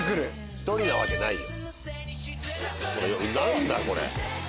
１人なわけないよ。